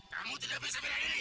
kamu tidak bisa melayani